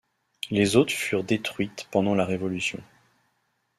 Les autres furent détruites pendant la Révolution.